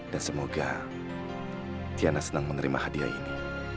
dan semoga tiana senang menerima hadiah ini